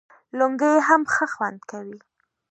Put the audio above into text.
لنګۍ هم ښه خوند کوي